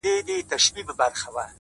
• پرون مي غوښي د زړگي خوراك وې،